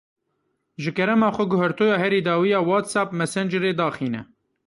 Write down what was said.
Ji kerema xwe guhertoya herî dawî ya WhatsApp Messengerê daxîne.